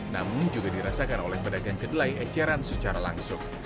namun juga dirasakan oleh pedagang kedelai eceran secara langsung